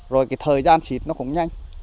rồi cái thời gian xịt nó cũng nhanh